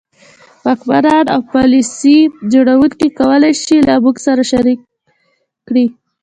واکمنان او پالیسي جوړوونکي کولای شي له موږ سره شریک کړي.